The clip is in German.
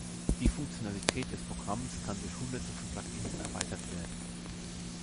Die Funktionalität des Programms kann durch Hunderte von Plug-ins erweitert werden.